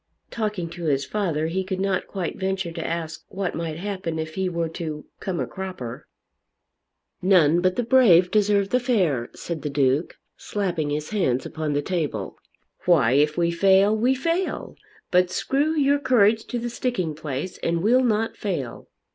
Talking to his father he could not quite venture to ask what might happen if he were to "come a cropper." "None but the brave deserve the fair," said the Duke slapping his hands upon the table. "Why, if we fail, 'We fail! But screw your courage to the sticking place, And we'll not fail.'